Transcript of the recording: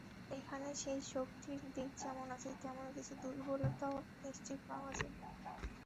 এখানে সেই শক্তির দিক যেমন আছে, তেমনি কিছু দুর্বলতাও নিশ্চয়ই পাওয়া যাবে।